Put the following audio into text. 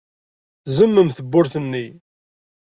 Tzemmem tewwurt-nni.